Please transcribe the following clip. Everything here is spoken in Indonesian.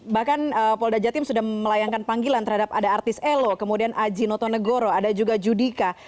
bahkan polda jatim sudah melayangkan panggilan terhadap ada artis elo kemudian aji notonegoro ada juga judika